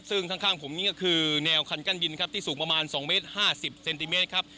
ซึ่งข้างผมนี่ก็คือแนวคันกั้นดินครับที่สูงประมาณ๒เมตร๕๐เซนติเมตรครับ